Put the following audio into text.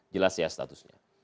jelas ya statusnya